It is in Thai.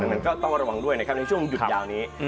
ดังนั้นก็ต้องระวังด้วยนะครับในช่วงหยุดยาวนี้